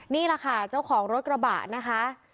นี่แหละค่ะเจ้าของรถกระบะนะคะ